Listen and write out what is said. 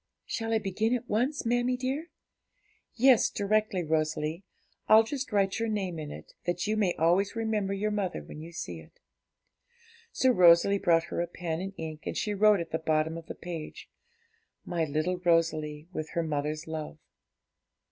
'Shall I begin at once, mammie dear?' 'Yes, directly, Rosalie; I'll just write your name in it, that you may always remember your mother when you see it.' So Rosalie brought her a pen and ink, and she wrote at the bottom of the page 'My little Rosalie, with her mother's love.'